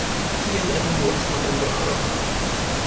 Kiel evoluas la membraro?